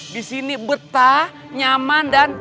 disini betah nyaman dan